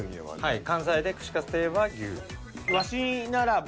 はい。